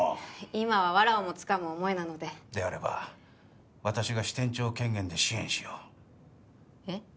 今はわらをもつかむ思いなのでであれば私が支店長権限で支援しようえっ？